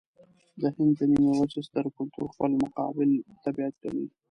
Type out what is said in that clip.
د هند د نيمې وچې ستر کلتور خپل مقابل طبیعت ګڼي.